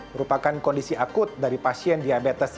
merupakan kondisi akut dari pasien diabetes yang halal